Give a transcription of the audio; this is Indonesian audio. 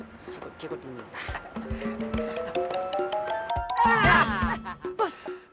agar cikut cikut di hatiku ini bisa terwet